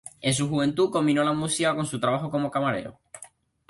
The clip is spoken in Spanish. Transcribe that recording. En su juventud combinó la música con su trabajo como camarero.